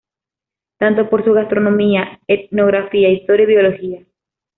Tanto por su gastronomía, etnografía, historia y biología.